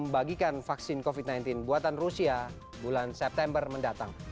membagikan vaksin covid sembilan belas buatan rusia bulan september mendatang